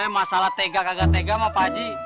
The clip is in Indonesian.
masalah tega kagak tega mah pak haji